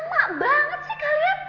lama banget sih kalian